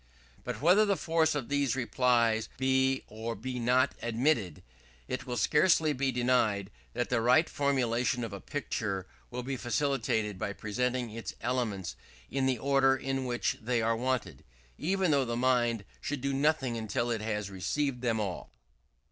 But whether the force of these replies be or be not admitted, it will scarcely be denied that the right formation of a picture will be facilitated by presenting its elements in the order in which they are wanted; even though the mind should do nothing until it has received them all.